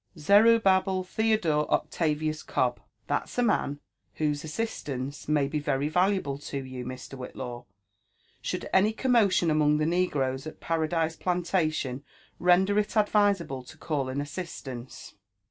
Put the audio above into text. "Zerubbabel Theodore Octavius Cobb — that's a man whose assis tance may be very valuable to you, Mr. Whitlaw, should any com motion among the negroes at Paradise Plantation render it advisable to call in tssislance.